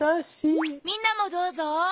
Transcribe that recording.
みんなもどうぞ。